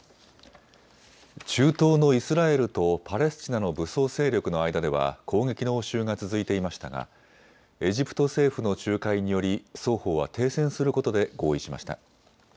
中東のイスラエルとパレスチナの武装勢力の間では攻撃の応酬が続いていましたがエジプト政府の仲介により双方は停戦することで合意しました。